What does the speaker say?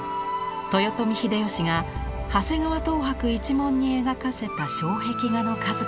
豊臣秀吉が長谷川等伯一門に描かせた障壁画の数々。